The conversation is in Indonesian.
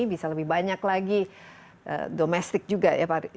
bisa lebih banyak lagi domestik juga ya pak